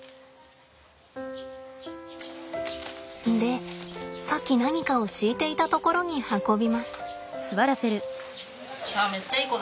でさっき何かを敷いていたところに運びます。